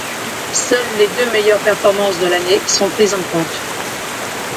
Seules les deux meilleures performances de l'année sont prises en compte.